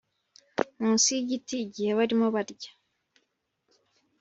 munsi y igiti igihe barimo barya